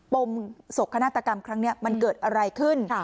ปมโศกคณตรกรรมครั้งเนี่ยมันเกิดอะไรขึ้น